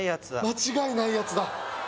間違いないやつだ